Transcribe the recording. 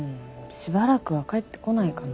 しばらくは帰ってこないかな。